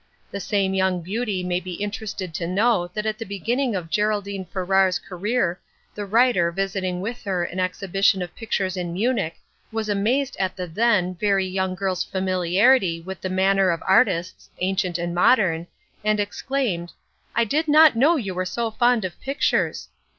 The same young beauty may be interested to know that at the beginning of Geraldine Farrar's career the writer, visiting with her, an exhibition of pictures in Munich, was amazed at the then, very young girl's familiarity with the manner of artists ancient and modern, and exclaimed "I did not know you were so fond of pictures."